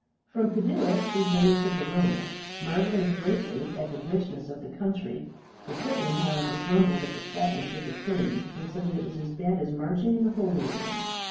From Padua they journeyed to Verona, marvelling greatly at the richness of the country. The footmen, however, grumbled at the flatness of the plain, and said that it was as bad as marching in the Holy Land.